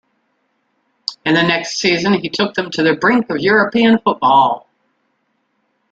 In the next season he took them to the brink of European Football.